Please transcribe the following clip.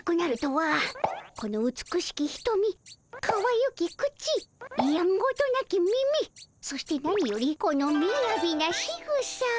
この美しきひとみかわゆき口やんごとなき耳そして何よりこのみやびな仕草。